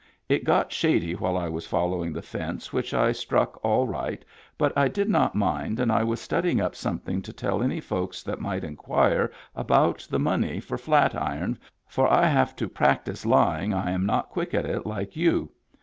It got shady while I was following the fence which I struck all right but I did not mind and I was studying up something to tell any folks that might inquire about the money for Flat Iron for I have to practiss lying I am not quick at it like you.